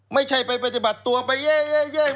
ไม่ใช่ไปปฏิบัติตัวไปย่ะย่ะย่ะ